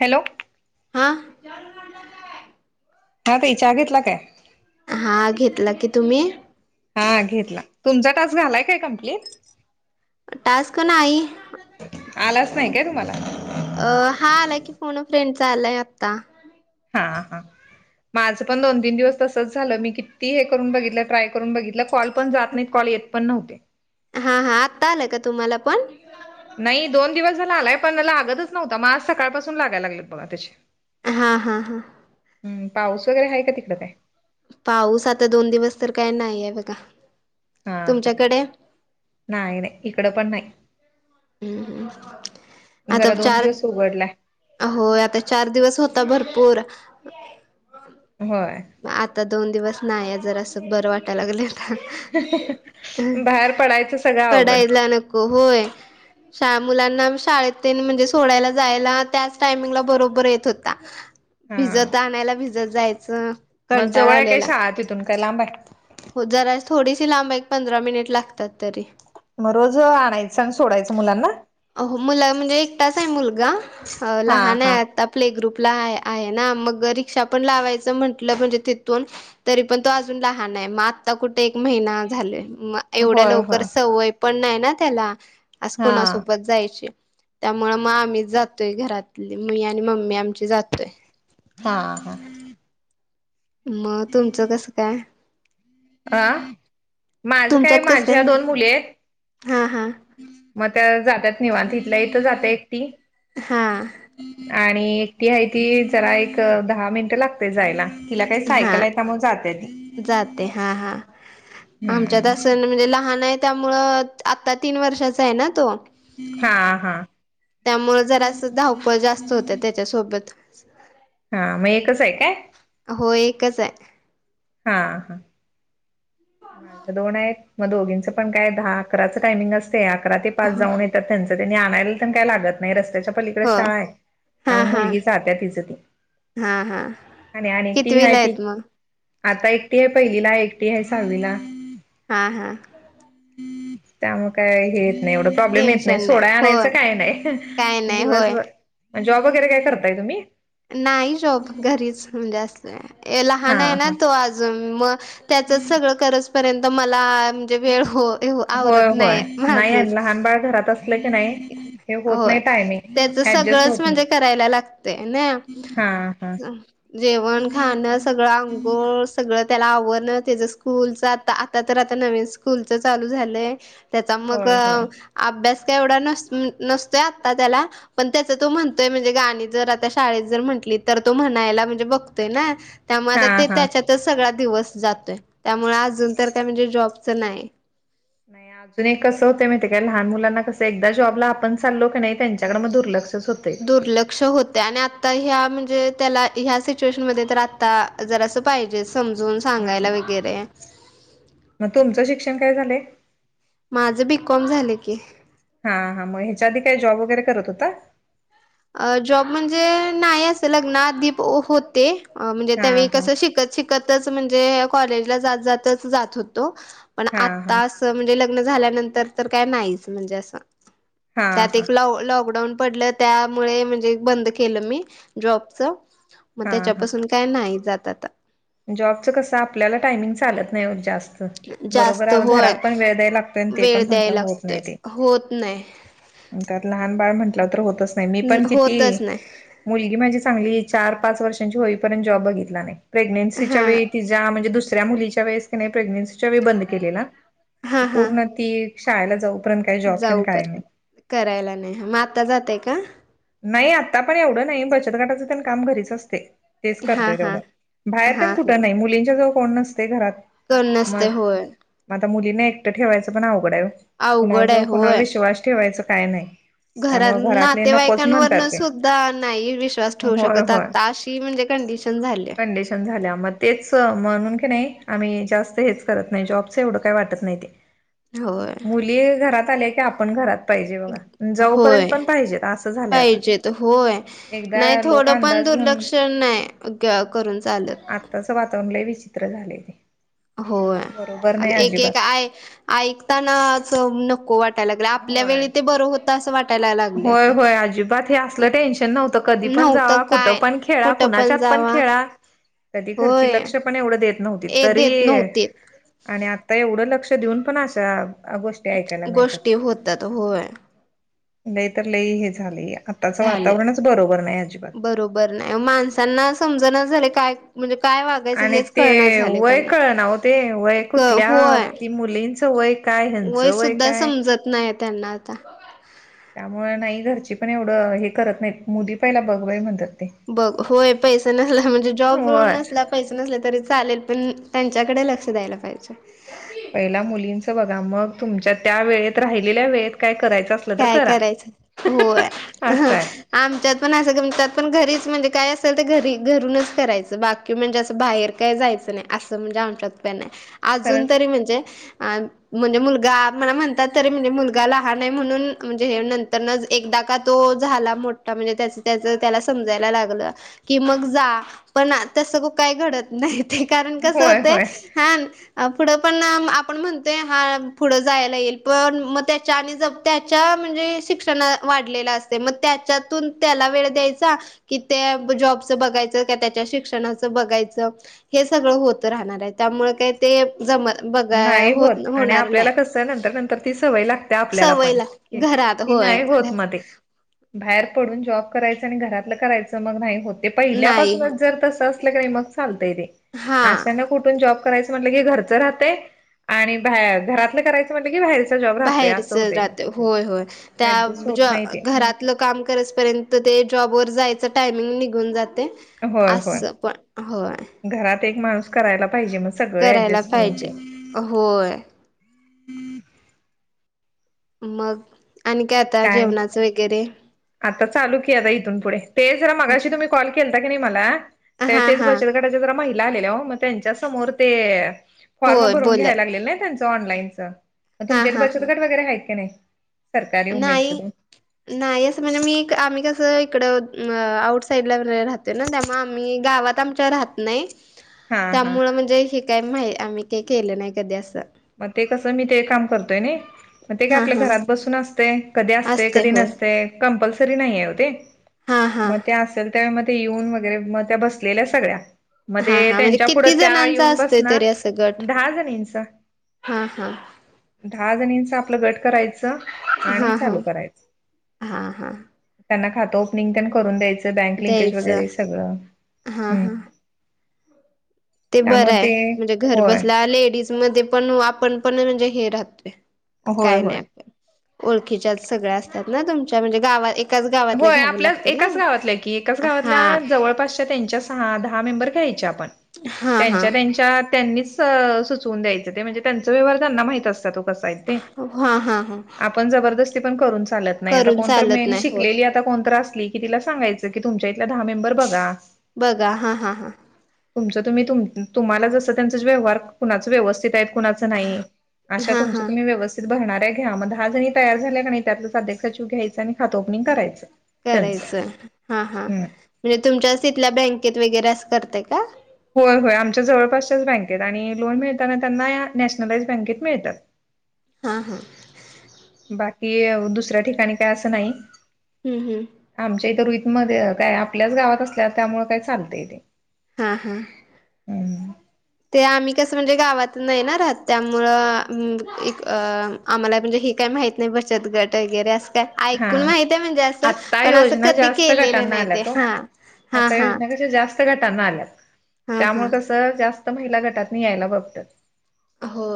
Hello हा विचारून आणला काय? हा ताई चहा घेतला काय. हा घेतला की तुम्ही हा घेतला तुमचा टास्क झालाय काय कम्प्लीट टास्क नाही आलाच नाही काय तुम्हाला. अ हा आलाय की फोन फ्रेंडचा आलाय आत्ता. हा हा. माझं पण दोन तीन दिवस तसंच झालं मी किती हे करून बघितलं ट्राय करून बघितलं कॉल पण जात नाहीत कॉल येत पण नव्हते हा हा आत्ता आलं का तुम्हाला पण? नाही दोन दिवस झाला आलाय पण लागतच नव्हता मग आज सकाळपासून लागाला लागले बगा तसे हा हा हां. हम पाऊस वगैरे आहे का तिकडं काय. पाऊस आता दोन दिवस तर काय नाही आहे बघा. हा हा. तुमच्याकडे नाही नाही इकडं पण नाही. हम्म हम् आता जरा दोन चार दिवस उघडलाय अ हो आता चार दिवस होता भरपूर. होय. मग आता दोन दिवस नाही जर असं बरं वाटयला लागलं. बाहेर पडायचं सगळं अवघड पडायला नको होय. श मुलांना शाळेत टेन म्हणजे सोडायला जायला त्याच टायमिंगला बरोबर येत होता. हा भिजत आणायला भिजत जायचं. मग कंटाळा जवळ आहे काय आलेला. शाळा तिथून काय लांब आहे? हो जराज थोडीशी लांब एक पंधरा मिनिट लागतात तरी. मग रोज आणायचं आणि सोडायचं मुलांना अ मुला म्हणजे एकटाच आहे मुलगा हा लहान हा आहे आता प्ले ग्रुपला आहे ना मग रिक्षा पण लावायचं म्हटलं म्हणजे तिथून. तरी पण तो अजून लहान आहे. मग आत्ता कुठे एक महिना झाले म एवढ्या होय लवकर होय सवय पण नाही ना त्याला. आज हा कोणासोबत जायचे त्यामुळ मग आम्हीच जातोय घरातली मी आणि मम्मी आमची जातोय. हां हां. मग तुमचं कसं काय? अ माझ काय तुमच्यात कसं माझ्या दोन म्हटलं मुली आहेत. हा हा. मग त्या जातात निवांत इथल्या इथं जात्या एकटी. हा. आणि एकटी आहे ती जरा एक दहा मिनटं लागते जायला. तिला काय हा सायकल आहे त्यामुळं जात्या ती, जाते हा हा हम्म. आमच्यात म्हणजे लहान आहे त्यामुळ आता तीन वर्षाचा आहे ना तो. हा हा. त्यामु जरा असं धावपळ जास्त होत त्याच्यासोबत. [unintelligible] हा मग एकच आहे काय? हो एकच आहे. हा हा. माझ्या दोन आहेत मग दोघींचं पण काय दहा अकराचं टायमिंग असते अकरा ते पाच जाऊन येतात त्यांच त्यांनी आणायला तर काय लागत नाही रस्त्याच्या पलीकडे हो शाळा आहे हा त्यामुळे हा मुलगी जात्या तिच ती. हा हा आणि आणि ती आहे कितविला ती आहेत मग? आता एकटी आहे पहिलीला एकटी आहे सहावीला. हा हा. त्यामुळेग काय हे येत नाही एवढं. प्रॉब्लेम येत नाही टेन्शन सोडा आणायच होय काही नाही काय नाही दिवस होय भर जॉब वगैरे काय करताय तुम्ही. नाही जॉब घरीच म्हणजे अस हा लहान आहे ना हा तो अजून म त्याचच सगळं करजपर्यंत मला म्हणजे वेळ हो होय आवरत होय नाही नाही माझच आणि लहान घरात असलं की नाही हे होत नाही होय टायमिंग त्याच ऍडजस्ट सगळंच होत म्हणजे नाही करायला लागत ते ना हा हा जेवण खानस सगळं अंंगोळ सगळं त्याला आवडणं त्याच स्कूलच आता आता तर आता नवीन कूलच चालू झालंय त्याचा मग होय होय अभ्यास का एवढा नस नसतोय आता त्याला पण त्याच तो म्हणतोय म्हणजे गाणी जर आता शाळेत जर म्हंटली तर तो म्हणायला म्हणजे बघतोय ना त्यामुळे आता हा ते हा त्याच्यातच सगळा दिवस जातोय त्यामुळे अजून तर काय म्हणजे जॉबचं नाही नाही ह अजून कसं होते मा काय लहान मुलांना कसं एकदा जॉबला आपण चालो की नाही त्यांच्याडडे मग दुर्लक्ष होत दुर्लक्ष हो आणि आ ह म्हणजे त्या ह सिच्युशन म आता जर अस पाहिजे समजून हा सांगायला वगैरे मग तुमचं शिक्षण काय झालं माझं बीकॉम झाले की हा हा मग ह्याच्या आधी काही जॉब वगैरे करत होता अ जॉब म्हणजे नाही असं लग्नदीप होते म्हणजे हा त्यावेळी कस हा शिक शिकतच म्हणजे कॉलेजला जात जात होतो पण हा हा आता म्हणजे लग्न झाल्यानंतर तर काय नाहीच म्हणजे असं हा त्यात हा एक ल लॉकडाऊन पडलं त्या मुळे म्हणजे बंद केलं मी जॉबच मग हा हा त्याच्यापासून काय नाही जात आता जॉबचं कसं आपल्याला टायमिंग चालत नाही जास्त बरोबर जास्त आहे घरात होय पण वेळ द्यायला लागतोय आणि ते वेळ पण द्याय म्हंटलं होत लागतोय नाही होत नाही ते लहान बाळ म्हंटलं तर होतच नाही मी पण किती होतच नाही मुलगी माझी चांगली चार पाच वर्षांची होईपर्यंत जॉब बघितला नाही प्रेग्न्सीच्या हा वेळी ति म्हणजे दुसऱ्या मुलीच्या वेळेस की नाही प्रेग्नेनसीच्या वेळी बंद केलेला हा हा पूर्ण ती शाळेला जाऊ जाऊ पर् करायला नाही मग आता जातय का नाही आता पण एवढं नाही बचत गटाचं पण काम घरीच असते तेच हा करतय हा तेवढं बाहेर पण हा हा कुठं नाही मुलींच्या जवळ कोण नसते घरात कर नसते होय मग आता मुलींना एकटं ठेवायचं पण अवघडा अवघड कुणाच आहे कुणावर विश्वास ठेवायचं काय नाही घर त्यामुळे ना घरातले तेवा्हाय नकोच म्हणतात कां ते सुद्धा नाही विश्वास ठेवू होय शकत आता अशी म्हणजे कंडिशन झाली मच म्हून नाही आम्ही जास्त हेच करत नाही जॉबच एवढं काही वाटत नाही होय [unintelligible] [inaudible] मुली घरात आल्या की आपण घरात पाहिजे बघा जाऊपर्यंत पण पाहिजेत झालंय आता पाहिजेतेत होय नाही एकदा लोक थोडं पण अंदाज घेऊन दुर्लक्षण नाही करून चालत आताच वातावरणलाय विचित्र झालेय ते होय बरोबर नाही एक अजिबात एकय ऐकताना नको वाट आपल्या होय वेळी ते बरं होतं असं वाटयलाग होय होय अजिबात हे असलं टेन्शन नव्हत कधी पण नव्हतं जावा कुठ काय पण खेळा कुठं कुणाच्यात पण जावा खेळा कधी खरची होय लक्ष पण एवढं देत नव्हती ए तरी देत नव्हते आणि आता एवढं लक्ष देऊन पण आशा गोष्टी होतात होय लई तर लई हे झाले आताचं वातावरणच बरोबर नाही अजिबात बर नाही माणसांना समजण झाले काय म्हणजे काय वा आणि ते वय कळ ना हो ते वय क कुठल्या होय ती मुलींचं वय काय वय हंचवय सुद्धा काय समजत नाही त्यांना आता त्यामु नाही घरची पण एवढं हे करत नाही मुदी पहिला बघवाय म्हणत बघ होय पैसा नसला म्हणजे जॉब होय नसला पैसे नसले तरी चालेल पण त्यांच्याकडे लक्ष द्यायला पाहिजे पहिला मुलींचं बघा मग तुमच्या त्या वेळेत राहिलेल्या वेळेत काय करायचं असलं तर काय करा. करायचं होय असं आहे आमच्यात पण असंच्यात पण घरीच म्हणजे काय असेल तर घरी घरूनच करायचं बाकी कि म्हणजे असं बाहेर काही जायचं नाही असं म्हणजे आ शकत नाही अजून खरंच तरी म्हणजे अ म्हणजे मुलगा म्हणा म्हणतात तरी म्हणजे मुलगाला ह नाही म्हणून म्हणजे हे नंतर एकदा का तो झाला मोठा म्हणजे त्याच त्याच त्याला समजायला लागलं कि मग जा पण तस काय घडत नाही ते कारण कसं होय होत होय. हा पुढं पण आपण म्हणतोय हा पुढं जायला येईल पण मग त्याच्या आणि ज त्याच्या म्हणजे शिक्षण वाढलेलं असते मग त्याच्यातून त्याला वेळ द्यायचा कि त्या जॉबचं बघायचं क त्याच्या शिक्षणाचं बघायचं हे सगळं होत राहणार आहे त्यामुळे काय ते जम बघा नाही होत आणि होणार नाही आपल्याला कसं नंतर नंतर ती सवय लागते आपल्याला पण सवयला घरात की होय नाही होत मध्ये बाहेर पडून जॉब करायचं आणि घरातलं करायचं मग नाही होत पहिल्यापून नाही त असग चालतय हा क ज करायचं म्हटलं की घरचं राहते आणि बार घरातलं करायचं म्हटलं की बाहेरच बाहेरच ज होय होय त्या ऍडजस्ट होत नाही ते घरात लं काम कररापर्यंत ते जॉब वर जायच टायमिंग निघून जाते होय अस होय पण होय घरात एक माणूस करायला पाहिजे मग सगळं करायला ऍडजस्ट करून पाहिजे ते होय मग आणि काय आता जेवणाचं वगैरे आता चालू की आता इथून पुढे ते जरा मगाशी तुम्ही कॉल केलता की नाही मला हा तेच हा बचत गटाच्या जरा महिला आलेल्या हो मग त्यांच्या समोर ते फॉर्म होय भरून बोला घ्यायला लागलेल नाही त्यांचं ऑनलाईनचंग हा तुमच्या ते हा बचत गट वगैरे आहेत काी नाही सरकारी ई उमेदच ते. नाही असं म्हणजे मी आम्ही कसं इकड आउट साईड ला राहतो ना त्यामुळे आम्ही गावात आमच्या राहत नाही हा हा त्यामुळ म्हणजे हे काही माहि आम्ही काही केलं नाही कधी असं मग ते कसं मी ते काम करतोय ना मग ते काय हा आपल्या हा घरात बसून असते कधी असते कधी नसते कंपल्सरी नाहीय होते हा हा मग ते असेल त्या म ते येऊन वगैरे मग त्या बसलेल्या सगळ्या मग हा ते हा म्हणजे त्यांच्या पुुढं किती त्या जणांचा येऊन असतोय बसणार तरी दहा जणींच हम हम दहा जण इंच आपलं गट करायचं आणि हा हा चालू करायचं हा हा त्यांना खातं ओपनिंग प करून द्यायचं बँक लिंकेज द्यायचं वगैरे सगळं हा हा ते बरं त्यामुळे आहे ते म्हणजे घर होय बसल्या लेडीज मध्ये पण आपण पण म्हणजे हे राहतोय होय काही नाही होय. आपल्या ओळखीच्या सगळ्या असतात ना तुमच्या म्हणजे गावात एकाच गावातल्या होय घ्यावं आपल्या लागतं ना एकाच गावातलं की एकाच हा गावातल्या जवळपास मे हा हा घ्या त्यां ून द्यायच म्हणजे त्यां व्यवार त्यांना माह असत तो कसा ते हा हा हा पण जबरदस्ती पण करून चालत नाही आता करून कोणत चालत मेन नाही शिक हो आता कोणत असली कि तिला सांगायचं की तुमच्या इथ दहा मेंबर बघा बघा हां हां हां तुमच तुम्ही तु तुम्हाला जसं त्यां व्यवहार कुणाच व्यवस्थित आहेत कुणा नाही अश हा तुम हा तुम्ही व्यवस् भरणाऱ्या घ्या मग दहा जणी तयार झाल्या त्यातलं साध सचव घ्यायं आणि खात ओपनिंग करायचं त्यांचं करायचं हा हा हम्म. म्हणजे तुमच्या तिथल्या बँकेत वगैरे अस करते का होय होय आमच्या जवळपासच्याच बँकेत आणि लोन मिळताना त्यांना या नॅशनलाइज बँकेत मिळतात हा हा बाकी दुसऱ्या ठिकाणी काय असं नाही हम् हम् आमच्या इथं रुईितमध्येध्ये काय आपल्याच गावात असल्या त्यामुळे काय चालत इ तेे हां हां हम् ते आम्ही कसं म्हणजे गावात नाहीणारहात त्यामुळं एक अ आम्हाला म्हणजे हे काय माहीत नाही बचत गट वगैरे असं ऐकून हा माहित आहे म्हणजे असं आता पण असं योजना कधी जास्त केलेलं गटांना नाही ते आल्यात ओ. हा हा आता हा योजना कश जास्त गटांना आल्यात हा हा त्यामुळे कस जात महिला गटात म यायला बघत हो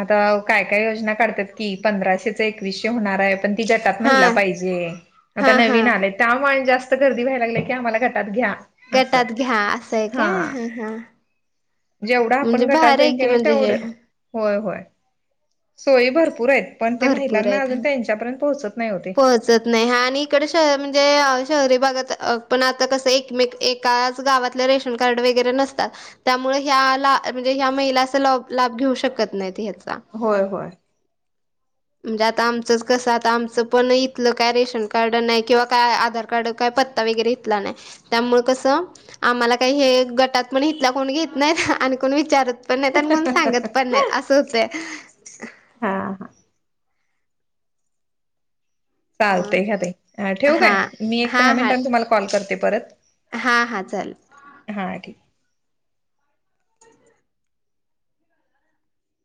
आता काय काय योजना काढतात की पंधराशेच एकवीसशे होणार आहे पण ती जटात हा महिला पाहिजे हा आता हा नवीन आले त्यामुळे जास्त गर्दी व्हायला लागले की आम्हाला घटात घ्या असं गटात घ्या असंय काय हा ह हा जेवढा आपण म्हणजे गटात भारी आहे जाईन की त्यानी म्हणजे हे तेवढं होय होय सोयी भरपूर आहेत पण ते भरपूर महिलांना अजून त्यांच्यापर्यंत पोहोचत नाही होते त नाही आणि इकडे म्हणजे शहरी भागात पण आता कस एकमेक एकाच गावातले रेशन कार्ड वगैरे नसतात त्यामुळे ह्या ला म्हणजे ह्या महिला अस लाभ घेऊ शकत नाहीत ह्याचा होय होय जात आमचक सात आमच पण इथलं काय रेशन कार्ड नाही किंवा काय आधार कार्ड काय पत्ता वगैरे इथला नाही त्यामुळे कसं आम्हाला काही हे गटात पण इथला कोण घेत नाहीत आणि कोण विचारत पण नाहीत आणि कोण सांगत पण नाहीत असं होतय हा हा मग चालतय घ ठेवू हा काय मी एक दहा मिनिटांनी तुम्हाला कॉल करते परत हां हां चाल हा ठीक